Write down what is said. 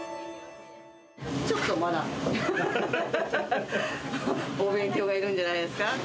ちょっとまだ、お勉強がいるんじゃないですか。